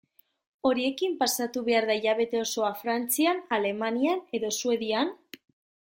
Horiekin pasatu behar da hilabete osoa Frantzian, Alemanian edo Suedian?